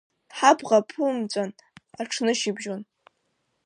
Ҳабӷа ԥумҵәан аҽнышьыбжьон.